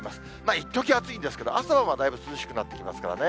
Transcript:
いっとき暑いんですけど、朝晩はだいぶ涼しくなってきますからね。